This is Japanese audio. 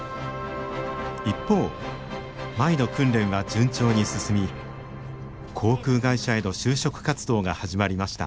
一方舞の訓練は順調に進み航空会社への就職活動が始まりました。